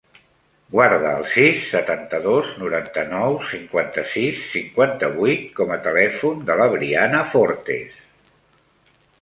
Guarda el sis, setanta-dos, noranta-nou, cinquanta-sis, cinquanta-vuit com a telèfon de la Briana Fortes.